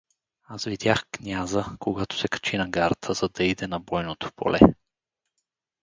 Аз видях княза, когато се качи на гарата, за да иде на бойното поле.